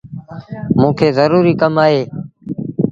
موݩ کي زروري ڪم اهي۔